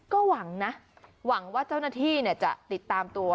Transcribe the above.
ก็หวังนะหวังว่าเจ้าหน้าที่จะติดตามตัว